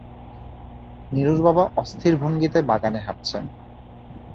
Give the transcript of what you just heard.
নীলুর বাবা অস্থির ভঙ্গিতে বাগানে হাঁটছেন।